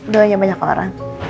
doanya banyak orang